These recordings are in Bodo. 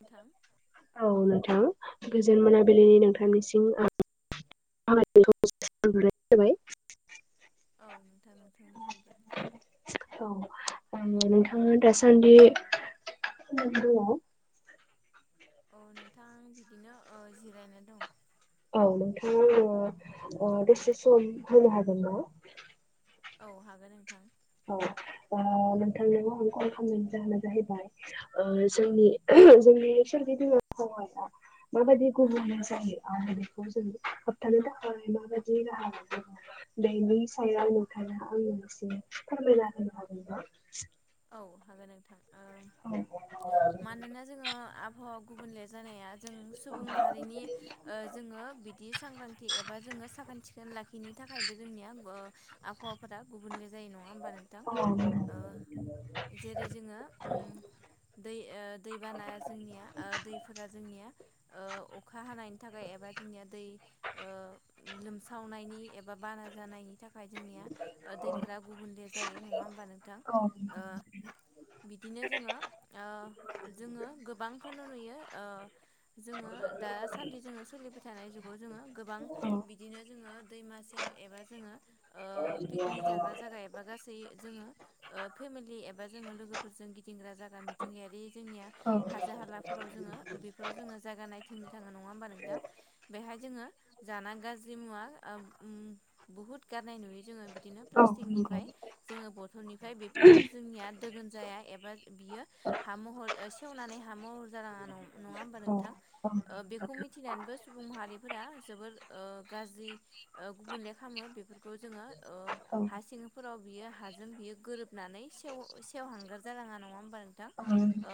नोंथां औ नोंथां गोजोन मोनाबिलिनि नोंथांनिसिं आ [unintelligible] औ नोंथां नोंथांनिसिमबो। औ नोंथाङा दासान्दि [unintelligible] दङ' औ नोंथां आं बिदिनो ओ जिरायनानै दं। औ नोंथाङा आंनो अ दसे सम होनो हागोन ना? औ हागोन नोंथां। औ दा नोंथांनाव आं कल खालामनायनि जाहोना जाहैबाय ओ जोंनि जोंनि इसोर [unintelligible] माबायदि औ गुबुम जायो आरो बेखौ जों हाबथानो थाखाय माबायदि राहा मोनो? बेनि सायाव नोंथाङा आंनो एसे फोरमायना होनो हागोन ना? औ हागोन नोंथां ओ मानोना जोङो आबहावा गुबुनले जानाया जों औ सुबुं माहारिनि ओ जोङो बिदि सांग्रांथि एबा जोङो साखोन सिखोन लाखिनि थाखाय बे जोंनिया ग आबहावाफोरा गुबुनले जायो नङा होमबा नोंथां? औ नंगौ। ओ जेरै जोङो उम [unintelligible] दै ओ दैबाना जोंनिया ओ दैफोरा जोंनिया ओ अखा हानायनि थाखाय एबा जोंनिया दै ओ लोमसावनायनि एबा बाना जानायनि थाख‌ खाय जोंनिया ओ दैफोरा गुबुनले जायो नङा होमबा नोंथां? ओ बिदिनो जोङो ओ जोङो गोबांखोनो नुयो ओ जों ङो दा सान्दै जाङो सोलिबाय थानाय जुगाव जोङो गोबां बिदिनो जोङो दैमा सेर एबा दा जोंङो ओ पिकनि जाग्रा जागा एबा गासै जोंङो ओ फेमिलि एबा जोंङो लोगोफोरजों गिदिंग्रा जागा मिथिंगायारि जोंनिया औ हाजो हालाफोराव जोंङो बेफोराव जोंङो जागा नायथिंनो थांङो नंङा होमबा नोंथां बेहाय जोंङो जाना गाज्रि मुवा उम बहुद गारनाय नुयो जोंङो बिदिनो औ प्लासटिक नंगौ निफाय जोंङो बटलनिफाय बेफ फोरो जोंनिया दोगोन जाया एबा बियो हा महर ओ सेवनानै हा महर जालाङा न नंङा होमबा नोंथां ओ बेखौ मिथिनानैबो सुबुं माहारिफोरा जोबोर ओ गाज्रि ओ गुबुनले खालामो बेफोर खो जोंङो ओ हा सिङांफोराव बियो हाजों बियो गोरोब नानै सेव सेवहांगार जालाङा नंङा होमबा नोंथां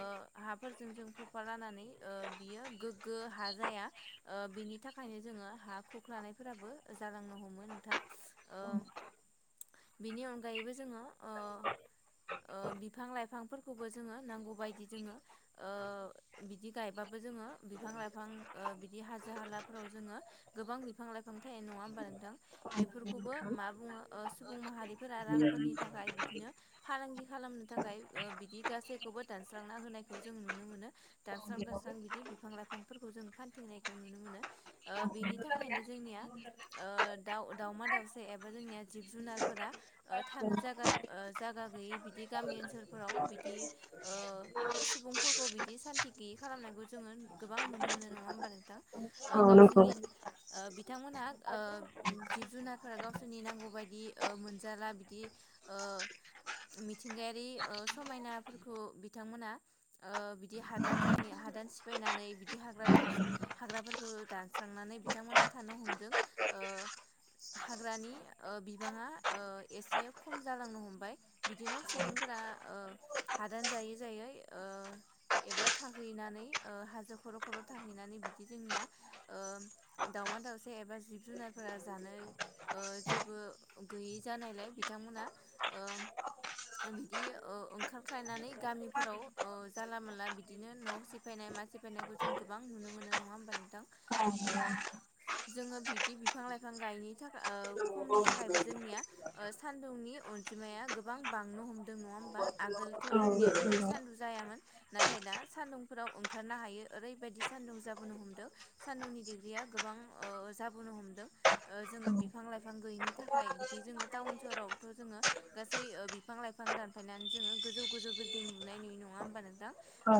ओ हाफोर जोंजों खफालानानै ओ बियो गोग्गो हा जाया ओ बिनि थाखाय नो जोङो हा खखलानायफोराबो जालांनो हमो नोंथां ओ बिनि अनगायैबो जोंङो ओ फोरखौबो जोंङो नांगौ बायदि जोंङो [inaudible] बिदि गायबाबो जोंङो बिफां लाइफां ओ बिदि हाजो हालाफोराव जोंङो गोबां बिफां लाइफां फां थे नङा होमबा नोंथां बेफोरखौबो मा बुंङो ओ सुबुं माहारिफोरा रांफोरनि थाखाय बिदिनो फालांगि खालामनो थाखाय ओ बिदि गासैखौबो दानस्रांना होनायखौ जों नुनो मोनो। दानस्रां दानस्रां बिदि बिफां लाइफांफोरखौ जों फान्थिं नायखौ नुनो मोनो ओ बेनि थाखायनो जोंनिया ओ दाउ दाउमा दाउसे एबा जोंनिया जिब जुनार फोरा ओ थानो जायाव जागा गैयि बिद दि गामि ओनसोलफोराव बिदि ओ सुबुंफोरखौ बिदि सान्ति गैयि खालामनायखौ जोंङो गोबां नुनो मोनो नंङा होमबा नोंथां ओ गावसोरनि ओ बिथांमोनहा ओ जिब जुनारफोरा गावसोरनि नांगौ बायदि मोनजाला बिदि ओ [inaudible] मिथिंगायारि ओ समायनाफोरखौ बिथांमोना ओ बिदि हादान जाहैयो हादान सिफायनानै बिदि हाग्रा दांस्रा हाग्राफोरखौ दानस्रांनानै बिथांमोनहा थानो हमदों ओ ओ हाग्रानि ओ बिबांङा ओ एसे खम जालांनो हम बाय बिदिनो सुबुंफोरा ओ हादान जायै जायै ओ एबा थाहैनानै ओ हाजो खर खर थाहैनानै बिदि जोंनिया ओ दाउ मा दाउसा एबा जिब जुनारफोरा जानाय ओ जेबो गैयि जानायलाय बिथांमोना [inaudible] नो बिदि ओ ओंखारख्लायनानै गामिफोराव ओ जानला मानला बिदिनो न सिफायनाय मानसिफेनायखौ जों गोबां नुनो मोनो नंङा होमबा नोंथां ओ जोङो बिब्दि बिफां लाइफां गायनि थाखाय ओ खमनि थाखायबो जोंनिया ओ सान्दुंनि जिमाया गोबां बांनो हमदों नंङा होमबा आगोलथ जोंनिया बिदि सान्दुं जायामोन नाथाय दा सान्दुंफोराव ओंखारनो हायो ओरैबायदि सान्दुं जाबोनो हमदों सान्दुंनि डिग्रिया गोबां ओ बो जाबोनो हमदों ओ जोंङो नोंथां। बिफां लाइफां गैयिनि थाखाय बिदि जोंङो टाउन सहरावथ जोंङो गासै ओ बिफां लाइफां दानफायनानै जोंङो गोजौ गोजौ बिल्डिं लुनाय नुयो नंङा होमबा नोंथां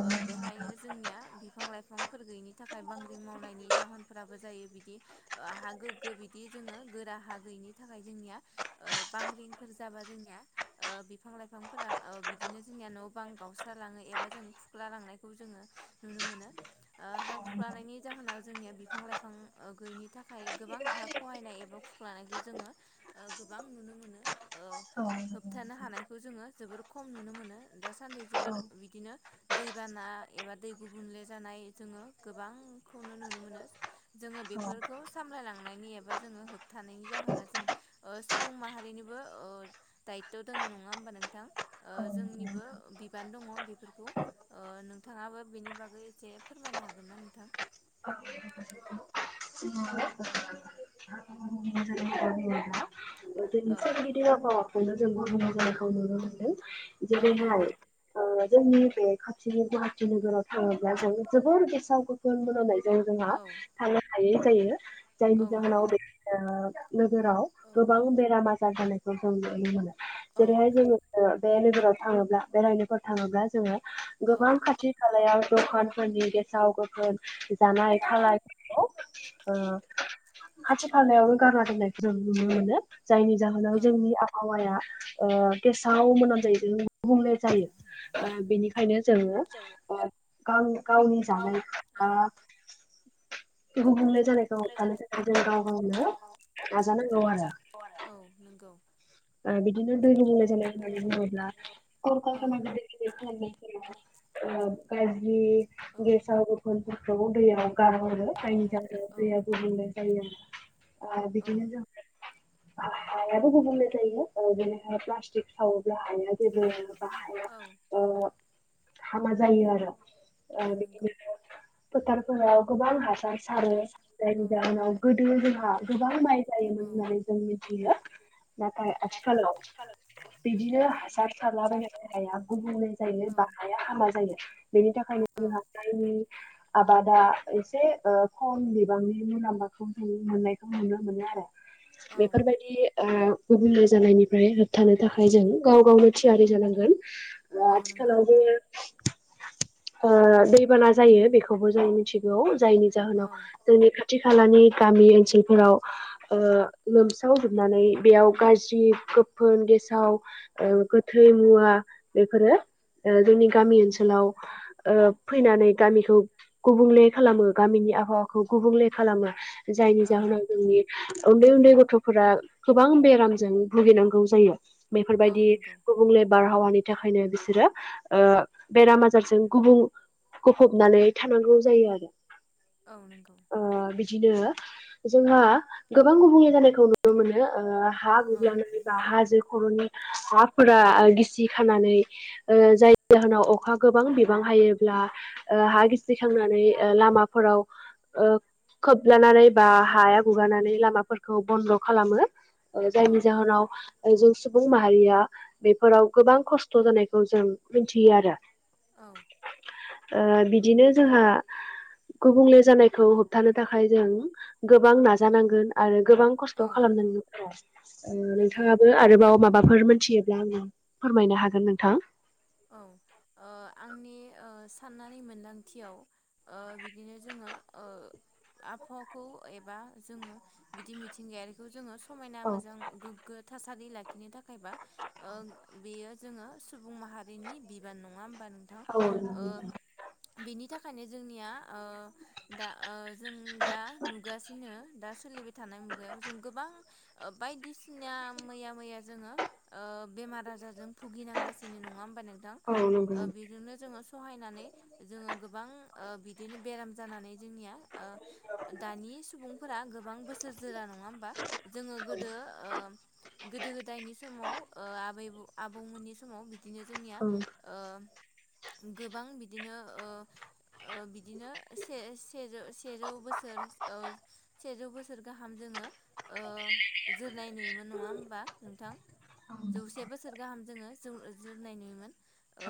ओ बेहायनो जोंनिया बिफां लाइफांफोर गैयिनि थाखाय बांग्रिं मावनायनि जाहोनफोराबो जायो बिदि ओ हा गोग्गो बिदि जोंङो गोरा हा गैयिनि थाखाय जोंनिया ओ बांग्रिंफोर जाबा जोंनिया ओ बिफां लाइफांफोरा ओ बिदिनो जोंनिया न बां गावस्रा लाङो एबा जों खु खुख्लांनायखौ जोंङो नुनोमोनो ओ हा खुखानायनि जाहोन जोंनि बिफां लाइफां गैयिनि थाखाय गोबां हा खहायनाय एबा खुख्लानायखौ जोंङो ओ गोबां नुनो मोनो। ओ औ होबथानो हानायखौ जोंङो जोबोर खम नुनो मोनो दासान्दि जोबोर बिदिनो दैबाना ना‌ एबा दैगुबुंले जानाय जोंङो‌ गोबांखौनो नुनो मोनो जोंङो बेफोरखौ सामलायांनायनि एबा जोंङो होबथानायनि जाहोना जों ओ सुबुं माहारिनि [unintelligible] दायथ दोंङो नंङा होमबा नोंथां ओ जोंनिबो बिबान दङ बेफोरखौ ओ नोंथाङाबो बेनि बागै एसे फोरमायनो हागोन ना नोंथां? [unintelligible] [unintelligible] जोंनि औ सोरगिदिं आबहावाखौनो जों गुबुले जानायखौ नुनो मोनदों। औ जेरैनो आरो नंगौ ओ जोंनि बे खाथिनि गुवाहाटि नोगोराव थाङोब्ला जों जोबोर गेसाव गोफोन मोनामनाय जों जोंहा औ थानो हायै जायो जायनि औ जाहोनाव नंगौ बे ओ नोगोराव औ गोबां बेराम आजार जानायखौ जों नुनो मोनो औ जेरैहाय जोङो बे नोगोराव थाङोब्ला बेरायनोफोर थाङोब्ला जोङो औ गोबां खाथि खालायाव द'खानफोरनि गेसाव गोफोन जानाय खालायफोरखौ ओ खाथि खालायावनो गारनानै दोननायखौ जों नुनो मोनो जायनि जाहोनाव औ जोंनि आबहावाया ओ गेसाव मोनामनायजोंनो गुबुंले जायो ओ बेनिखायनो जोङो जों ओ गाव-गावनि गाव औ जानायखौ बे गुबुंले जानायखौ होबथानो थाखाय जों गाव-गावनो औ नंगौ ओ बिदिनो दै बिदिनो गुबुंले जानाय होननानै बुङोब्ला औ कलखारखाना गिदिर-गिदिर खालामनाय जोङो ओ गाज्रि औ गेसाव गोफोन फोर खौ दैयाव गारहरो जायनिजाहोनाव औ दैया गुबुंले जायो आरोना। ओ औ बिदिनो जों हा-हायाबो गुबुंले जा जायो ओ बेनिखायनो प्लास्टिक सावोब्ला हाया जेबो बा हाया औ ओ हामा जायो आरो औ ओ नंगौ बिदिनोथ' फोथारफोराव गोबां हास सार औ सारो औ जायनि जाहोनाव गोदो जोंहा गोबां माइ औ जायोमोन होननानै जों मिथियो। नाथाय आथिखालाव बिदिनो हासार सारलाबायनानै हाया गुबुंले जायो बा हाया हाम मा जायो बेनि थाखायनो जोंहा [unintelligible] आबादा एसे ओ खम बिबांनि मुलाम्फाखौ जों मोननायखौ नुनो मोनो आरो। बेफोरबायदि ओ गुबुंले जानायनिफ्राय होबथानो थाखाय जों गाव-गावनो थियारि जानांगोन। ओ औ नंगौ आथिखालावबो ओ दैबाना जायो बेखौबो जों मिथिगौ। जायनि औ जाहोनाव जोंनि खा थि खालानि गामि ओनसोलफोराव ओ लोमसावजोबनानै बेयाव गाज्रि गोफोन गेसाव ओ गोथै मुवा बेफोरो ओ जोंनि औ गामि ओनसोलाव ओ फैनानै गामिखौ गुबुंले खालामो गामिनि आबहावाखौ गुबुंले खालामो। जायनि औ जाहोनाव जोंनि उन्दै-उन्दै गथ'फोरा गोबां बेराम जों भुगिनांगौ जायो औ बेफोरबायदि नंगौ गुबुंले बारहावानि थाखायनो बिसोरो ओ बेराम आजारजों गुबुं गफबनानै थानांगौ जायो आरो औ नंगौ ओ बिदिनो जोंहा गोबां गुबुंले जानायखौ नुनो मोनो ओ हा औ गिबियावनो बबेबा हाजो खर'नि हाफोरा गिसि खानानै ओ जायनि जा होनाव अखा गोबां बिबां हायोब्ला ओ औ हा गिसिखांनानै ओ लामाफोराव ओ खोबलानानै बा हाया गुगानानै लामाफोरखौ बन्द खालामो। औ जायनि नंगौ जाहोनाव जों सु सुंबुं माहारिया बेफोराव गोबां खस्थ' जानायखौ जों मिथियो आरो। औ ओ बिदिनो जोंहा गुबुंले जानायखौ होबथानो थाखाय जों गोबां नाजानांगोन आरो गोबां खस्थ' औ खालामनांगोन नंगौ नोंथांङाबो आरोबाव माबाफोर मोन मिथियोब्ला आंनो फोरमायनो हागोन नोंथां। औ ओ आंनि ओ साननानै मोनदांथियाव ओ बिदिनो जोङो ओ। आबहावाखौ एबा जोंङो बिदि मिथिंगायारिखौ जोङो समायना औ मोजां गोगो थासारि लाखिनो थाखाय बा ओ बेयो जोङो सुबुं माहारिनि बिबान नंङा। बा नोंथां ओ नोंथां बेनि थाखायनो जोंनिया ओ दा ओ जों दा नुगासिनो। दा सोलिबाय थानाय मुगायाव जों गोबां ओ बायदिसिना मैया-मैया जोङो ओ ओ बेमार आजारजों भुगिनांगासिनो नंङा। होनबा नोंथां औ औ नंगौ। ओ बेदिनो‌ जों सहायनानै जोंङो गोबां ओ बेदिनो बेराम माने जोंनिया ओ दानि सुबुंफोरा गोबां बोसोर जोरा नंङा होनबा जोङो गो दो ओ गोदो गोदायनि समाव ओ आबै आबौमोननि समाव बिदिनो जोंनिया ओ [inaudible] गोबां बिदिनो ओ ओ बिदिनोे‌ से सेजौ से‌ सेजौ बोसोर ओ गाहाम जो जोंङो ओ जोरनाय नुयोमोन नङा होमबा नोंथां। जौसे बोसोर गाहाम जोंङो जोरनाय नुयोमोन। ओ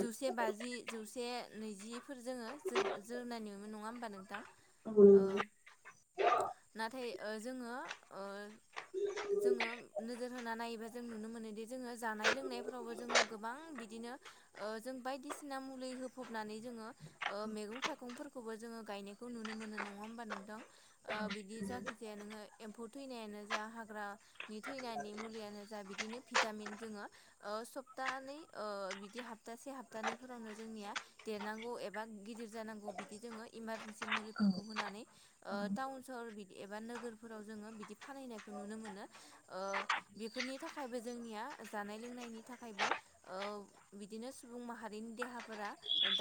जौसे बाजि जौसे नैजिफोर जोंङो जोर जोरनाय नुयोमोन नंङा होमबा नोंथां? ओ [unintelligible] नाथाय ओ जोंङो ओ जोंङो नोजोर होना नायोबा जों नुनो मोनोदि जोंङो जानाय लोंनाय खौबो जोंयो गोबां बिदिनो ओ जों बायदिसिना मुलि‌ होफबनानै‌ ओ‌ जोंङो ओ मेगं मैगं थाइगंफोरखौबो जोंङो गायनायखौ नुनो मोनो नंङा होनबा नोंथां बिदि जायखि जाया नो एम्फौ थैनायानो जा हाग्रानि थैनायनि मुलियानो जा बिदिनो भिटामिन जोङो ओ सप्तानै ओ बिदि हप्तासे हाबतानैफोरावनो जोंनिया देरनांगौ एबा गि गिदिर जांनांगौ बिदि जोङो इमारजिंसि मुलिफोरखौ होनानै ओ टावन सहर एबा नोगोराव जोङो बेदि फानहैनामखौ नुनो मोनो। ओ‌ बेफोरनि थाखायबो‌ जोंनिया जानाय लोंनायनि थाखायबो ओ बिदिनो सुबुं माहारिनि देहाफोरा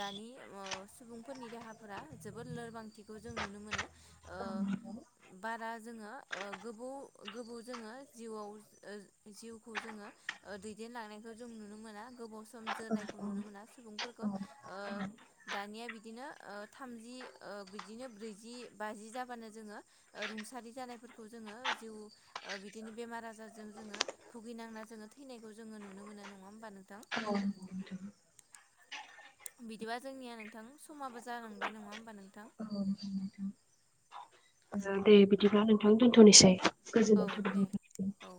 दानि ओ सुबुंफोरनि देहाफोरा जोबोद लोरबांथिखौ जों नुनो मोनो ओ। बारा जोङो ओ गोबौ-गोबौ जोङो जिउआव ओ जिउखौ जोङो दैदेनलांनायखौ जों नुनो मोना गोबाव सम जोरनायखौ नुनो मोना सुबुंफोरखौ ओ दानिया बिदिनो ओ थामजि ओ‌ बिदिनो ब्रैजि बाजि जाबानो जोङो ओ रुं रुंसारि जानायफोरखौ जोङो जिउ बिदिनो बेमार आजारजों जोंङो भुगिनांना जोंङो थैनायखौ जों नुनो मोनो नंङा होनबा नोंथां? औ बिदिबा जोंनिया नोंथां समाबो जालांबाय नङा होमबा नोंथां? दे बिदिब्ला नोंथां दोनथ'निसै। औ गोजोनाय थाबाय दे नोंथां। औ